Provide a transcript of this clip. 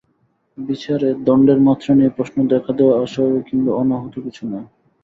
বিচারে দণ্ডের মাত্রা নিয়ে প্রশ্ন দেখা দেওয়া অস্বাভাবিক কিংবা অনাহূত কিছু নয়।